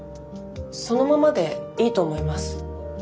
そのままでいいと思います。